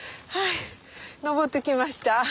はい登ってきました。